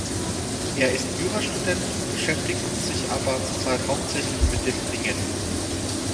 Er ist Jurastudent, beschäftigt sich aber zurzeit hauptsächlich mit dem Ringen.